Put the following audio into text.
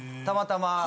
たまたま。